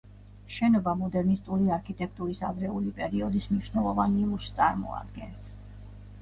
შენობა მოდერნისტული არქიტექტურის ადრეული პერიოდის მნიშვნელოვან ნიმუშს წარმოადგენს.